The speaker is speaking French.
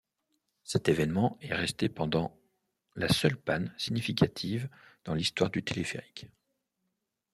Cet événement est resté pendant la seule panne significative dans l'histoire du téléphérique.